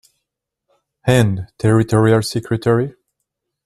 Hand, territorial secretary.